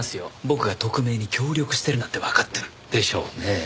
僕が特命に協力してるなんてわかったら。でしょうねぇ。